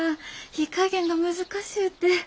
火加減が難しゅうて。